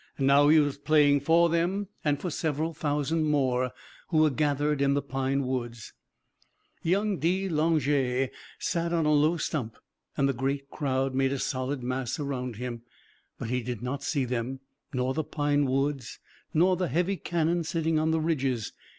Now he was playing for them and for several thousand more who were gathered in the pine woods. Young de Langeais sat on a low stump, and the great crowd made a solid mass around him. But he did not see them, nor the pine woods nor the heavy cannon sitting on the ridges.